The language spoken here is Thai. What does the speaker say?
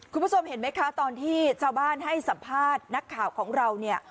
คุณผู้ชมเห็นไหมคะตอนที่ชาวบ้านให้สัมภาษณ์นักข่าวของเราเนี่ย